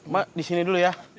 mak disini dulu ya